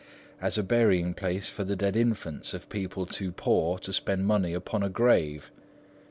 as a burying place for the dead infants of people too poor to spend money upon a grave.